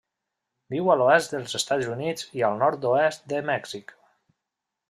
Viu a l'oest dels Estats Units i el nord-oest de Mèxic.